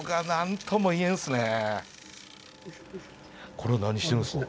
これは何してるんですか？